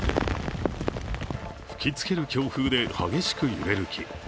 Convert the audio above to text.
吹きつける強風で激しく揺れる木。